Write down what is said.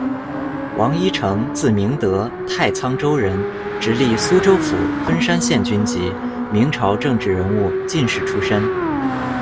王一诚，字明得，太仓州人，直隶苏州府昆山县军籍，明朝政治人物、进士出身。